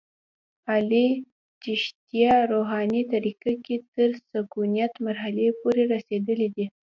علي چشتیه روحاني طریقه کې تر سکونت مرحلې پورې رسېدلی دی.